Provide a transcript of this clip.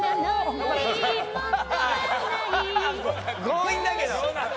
強引だけど。